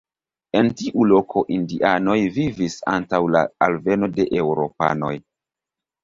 En tiu loko indianoj vivis antaŭ la alveno de eŭropanoj.